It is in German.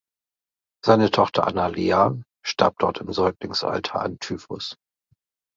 Seine Tochter Anna Leah starb dort im Säuglingsalter an Typhus.